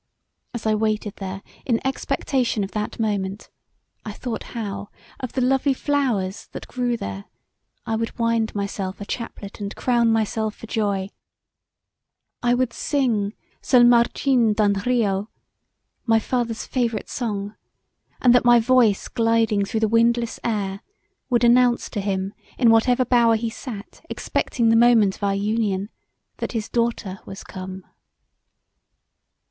As I waited there in expectation of that moment, I thought how, of the lovely flowers that grew there, I would wind myself a chaplet and crown myself for joy: I would sing sul margine d'un rio, my father's favourite song, and that my voice gliding through the windless air would announce to him in whatever bower he sat expecting the moment of our union, that his daughter was come.